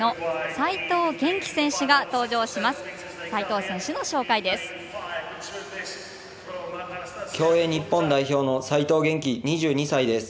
齋藤選手の紹介です。